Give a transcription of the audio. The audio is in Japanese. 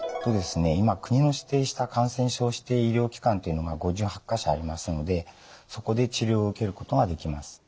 今国の指定した感染症指定医療機関というのが５８か所ありますのでそこで治療を受けることができます。